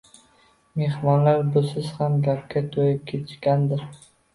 Mehmonlar busiz ham gapga to‘yib ketishgandir.